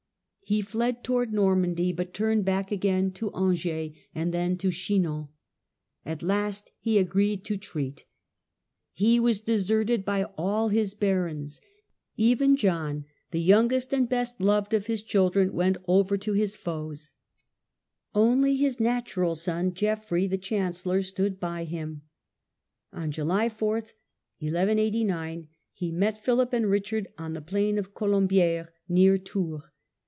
He fled towards Normandy, but turned back again to Angers and then to Chinon. At last he agreed to treat He was deserted by all his barons — even John, the youngest and best loved of his children, went over to his foes — only his natural son, Geof frey the chancellor, stood by him. On July 4, 1189, he met Philip and Richard on the plain of Colombiferes, near Tours.